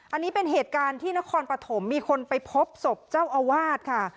อันนี้เป็นเหตุการณ์ที่นครปฐมมีคนไปพบศพเจ้าอาวาสค่ะ